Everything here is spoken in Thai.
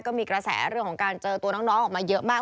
ก็มีกระแสเรื่องของการเจอตัวน้องออกมาเยอะมาก